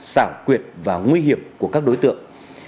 xảo quyệt và nguy hiểm của các đối tượng